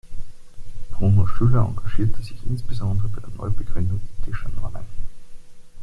Bruno Schüller engagierte sich insbesondere bei der Neubegründung ethischer Normen.